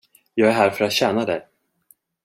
Jag är här för att tjäna dig.